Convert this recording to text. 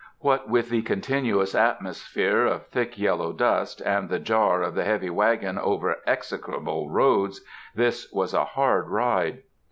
What with the continuous atmosphere of thick yellow dust, and the jar of the heavy wagon over execrable roads, this was a hard ride.